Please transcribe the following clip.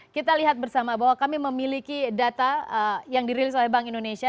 kita lihat bersama bahwa kami memiliki data yang dirilis oleh bank indonesia